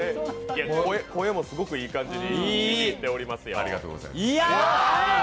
声もすごくいい感じに聴いておりますよ。